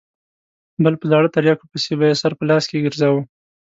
بل په زاړه تریاکو پسې به یې سر په لاس کې ګرځاوه.